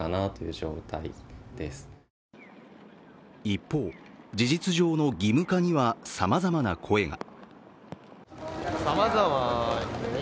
一方、事実上の義務化にはさまざまな声が。